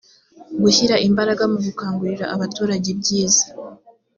gushyira imbaraga mu gukangurira abaturage ibyiza